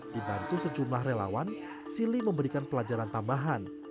dibantu sejumlah relawan sili memberikan pelajaran tambahan